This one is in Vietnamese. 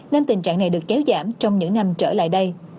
nên tình trạng này được kéo giảm trong những năm trở lại đây